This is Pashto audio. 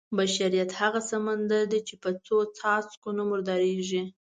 بشریت هغه سمندر دی چې په څو څاڅکو نه مردارېږي.